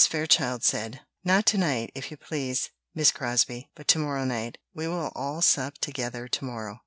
Fairchild said: "Not to night, if you please, Miss Crosbie, but to morrow night we will all sup together to morrow."